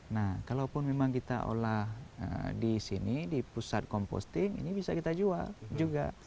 nah kalaupun memang kita olah di sini di pusat komposting ini bisa kita jual juga